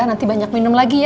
nanti banyak minum lagi ya